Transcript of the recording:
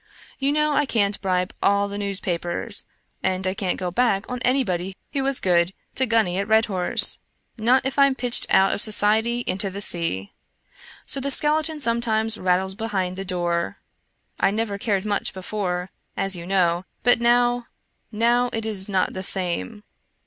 You know I can't bribe all the newspapers, and I can't go back on anybody who was good to Gunny at Redhorse — not if I'm pitched out of society into the sea. So the skeleton sometimes rattles behind the door. I never cared much before, as you know, but now — nozv it is not the same.